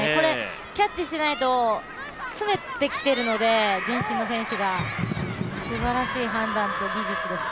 キャッチしてないと詰めてきてるので、順心の選手がすばらしい判断と技術ですね。